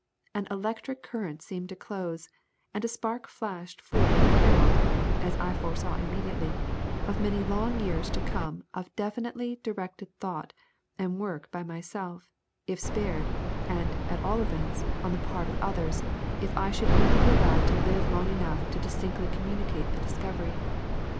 An ELECTRIC circuit seemed to CLOSE; and a spark flashed forth the herald (as I FORESAW IMMEDIATELY) of many long years to come of definitely directed thought and work by MYSELF, if spared, and, at all events, on the part of OTHERS if I should even be allowed to live long enough distinctly to communicate the discovery.